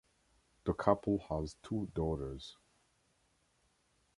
The couple has two daughters.